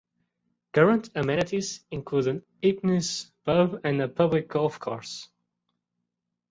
Current amenities include an eponymous pub and a public golf course.